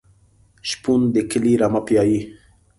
شپون د کلي رمه پیایي.